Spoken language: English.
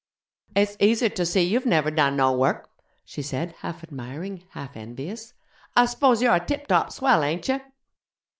'It's easy ter see you've never done no work!' she said, half admiring, half envious. 'I s'pose you're a tip top swell, ain't you?'